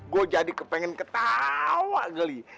gue jadi kepengen ketawa geli